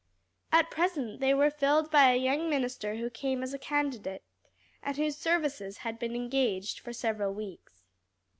At present they were filled by a young minister who came as a candidate, and whose services had been engaged for several weeks.